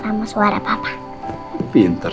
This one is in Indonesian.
kenapa kok emangnya brazil b spiritin